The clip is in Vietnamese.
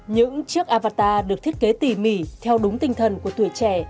những chiếc avatar được thiết kế tỉ mỉ theo đúng tinh thần của tuổi trẻ